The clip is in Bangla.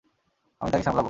আমি তাকে সামলাবো।